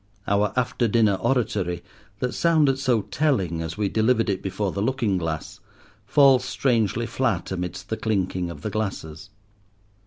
Our after dinner oratory, that sounded so telling as we delivered it before the looking glass, falls strangely flat amidst the clinking of the glasses.